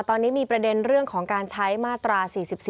ตอนนี้มีประเด็นเรื่องของการใช้มาตรา๔๔